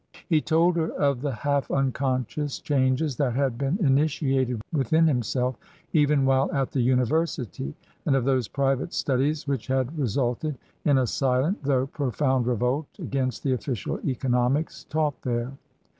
He told her of the half unconscious changes that had been initiated within himself even while at the University, and of those private studies which had resulted in a silent, though profound revolt against the official economics taught there.